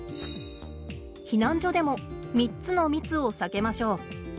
避難所でも３つの密を避けましょう。